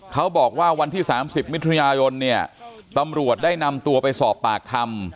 เขาบอกว่าวันที่๓๐มิถุนายนเนี่ยตำรวจได้นำตัวไปสอบปากคำ